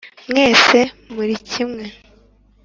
mwese muri kimwe,